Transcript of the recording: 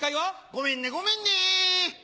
ごめんねごめんね！